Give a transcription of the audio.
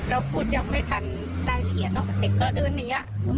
เราพูดยังไม่ทันได้ละเอียดเด็กก็เดินเนีย